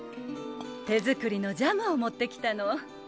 手作りのジャムを持ってきたの。